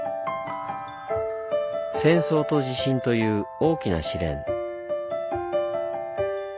戦争と地震という大きな試練。